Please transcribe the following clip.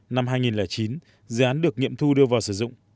năm hai nghìn chín dự án được nghiệm thu đưa vào sử dụng